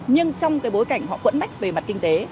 nhưng trong cái bối cảnh họ quẫn bách về mặt kinh tế